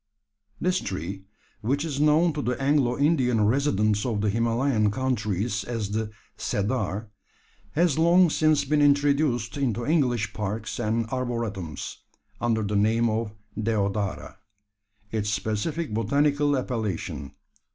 This tree, which is known to the Anglo Indian residents of the Himalayan countries as the "cedar," has long since been introduced into English parks and arboretums, under the name of deodara its specific botanical appellation.